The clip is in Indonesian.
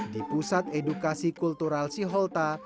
di pusat edukasi kultural siholta